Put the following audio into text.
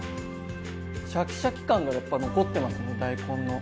シャキシャキ感がやっぱ残ってますね大根の。